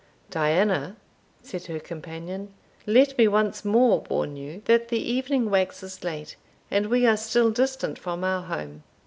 "Diana," said her companion, "let me once more warn you that the evening waxes late, and we are still distant from our home."